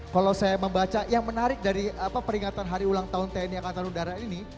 kalau saya membaca yang menarik dari peringatan hari ulang tahun tni angkatan udara ini